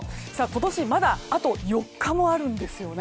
今年はまだあと４日もあるんです。